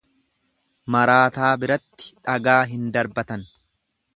Maraataa biratti dhagaa hin darbatan.